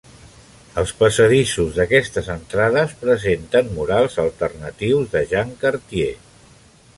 Els passadissos d'aquestes entrades presenten murals alternatius de Jean Cartier.